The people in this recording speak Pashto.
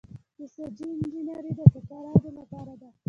نساجي انجنیری د ټوکرانو لپاره ده.